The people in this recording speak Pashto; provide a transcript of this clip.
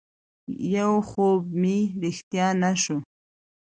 يو خوب مې رښتيا نه شو